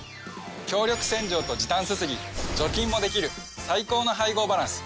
強力洗浄と時短すすぎ除菌もできる最高の配合バランス